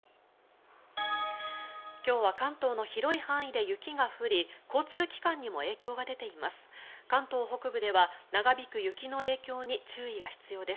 今日は関東の広い範囲で雪が降り交通機関にも影響が出ています。